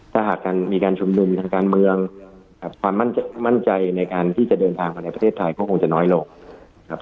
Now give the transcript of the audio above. ถ้าหากการมีการชุมนุมทางการเมืองความมั่นใจในการที่จะเดินทางมาในประเทศไทยก็คงจะน้อยลงครับ